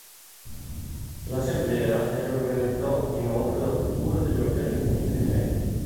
L'assemblea ne riorganizzò inoltre la struttura degli organismi dirigenti.